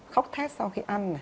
khóc thét sau khi ăn